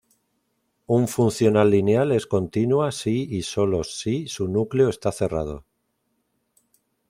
Un funcional lineal es continua si y sólo si su núcleo está cerrado.